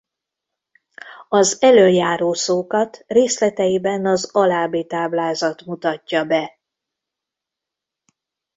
Az elöljárószókat részleteiben az alábbi táblázat mutatja be.